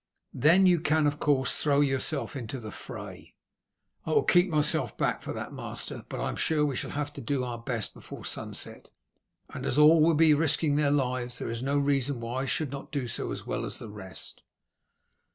Then you can, of course, throw yourself into the fray." "I will keep myself back for that, master; but I am sure we shall all have to do our best before sunset, and as all will be risking their lives there is no reason why I should not do so as well as the rest."